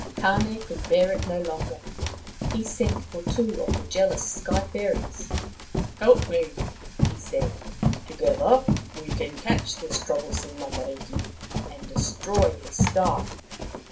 Tane could bear it no longer. He sent for two of the jealous Sky fairies. " Help me," he said. " Together we can catch this troublesome Matariki and destroy his star."